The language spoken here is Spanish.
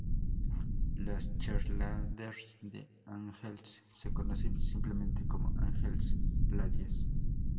Las cheerleaders de Angels se conoce simplemente como "Angels Ladies".